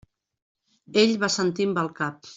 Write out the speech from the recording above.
Ell va assentir amb el cap.